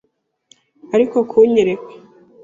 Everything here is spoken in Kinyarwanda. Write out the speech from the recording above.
- ariko kunyerera